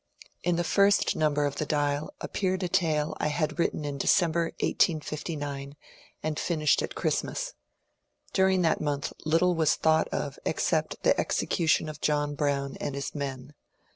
In the first number of the *^ Dial '' appeared a tale I had written in December, 1859, and finished at Christmas. Dur ing that month little was thought of except the execution of John Brown and his men.